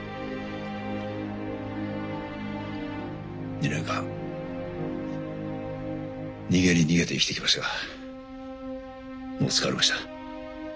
２年間逃げに逃げて生きてきましたがもう疲れました。